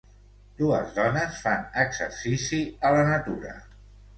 Dues dones fan exercici a la natura.